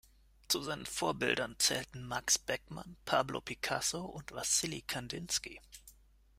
Zu seinen Vorbildern zählten Max Beckmann, Pablo Picasso und Wassily Kandinsky.